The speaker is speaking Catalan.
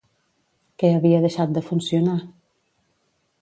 Què havia deixat de funcionar?